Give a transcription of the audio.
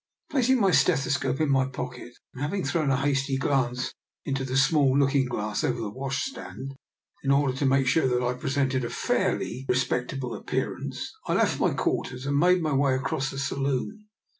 Placing my stethoscope in my pocket and having thrown a hasty glance into the small looking glass over the washstand, in order to make sure that I presented a fairly respect able appearance, I left my quarters and made my way across the saloon.